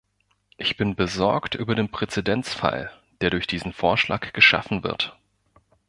Ich bin besorgt über den Präzedenzfall, der durch diesen Vorschlag geschaffen wird.